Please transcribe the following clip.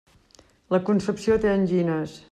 La Concepció té angines.